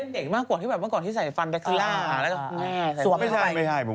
ผมเล่นเด็กมากกว่าที่แบบเมื่อก่อนที่ใส่ฟันแบคซีลล่า